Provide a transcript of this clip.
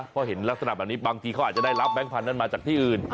เพราะเห็นลักษณะแบบนี้บางทีเขาอาจจะได้รับแบงค์พันธุ์นั้นมาจากที่อื่น